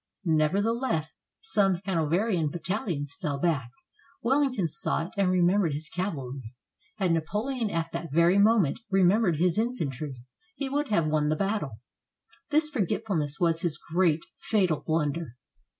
Never theless, some Hanoverian battalions fell back. Welling ton saw it and remembered his cavalry. Had Napoleon, at that very moment, remembered his infantry, he would have won the battle. This forgetfulness was his great, fatal blunder.